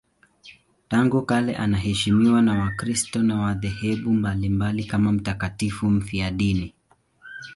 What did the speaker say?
Tangu kale anaheshimiwa na Wakristo wa madhehebu mbalimbali kama mtakatifu mfiadini.